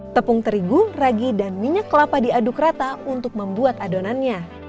tepung terigu ragi dan minyak kelapa diaduk rata untuk membuat adonannya